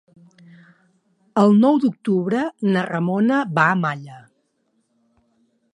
El nou d'octubre na Ramona va a Malla.